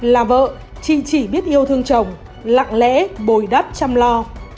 là vợ chị chỉ biết yêu thương chồng lặng lẽ bồi đắp chăm lo